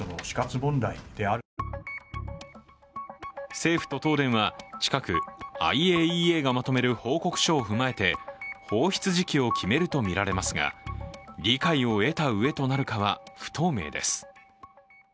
政府と東電は近くＩＡＥＡがまとめる報告書を踏まえて放出時期を決めるとみられますが理解をえたうえとなるかは不透明です。